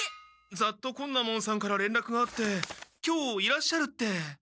雑渡昆奈門さんかられんらくがあって今日いらっしゃるって。